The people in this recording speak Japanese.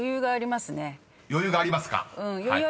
余裕がありますね。